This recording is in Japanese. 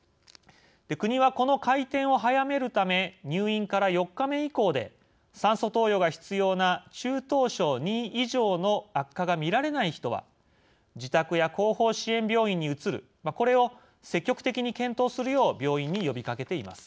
国はこの回転を速めるため入院から４日目以降で酸素投与が必要な中等症Ⅱ以上の悪化が見られない人は自宅や後方支援病院に移るこれを積極的に検討するよう病院に呼びかけています。